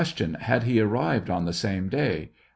Had he arrived on the same day